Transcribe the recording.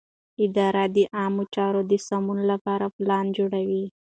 اداره د عامه چارو د سمون لپاره پلان جوړوي.